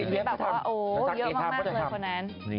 เยอะมากเลยคนนั้น